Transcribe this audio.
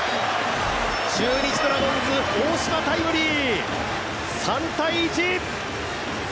中日ドラゴンズ大島タイムリー！